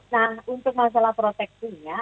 nah untuk masalah proteksinya